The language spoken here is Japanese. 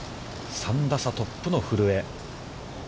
３打トップの古江。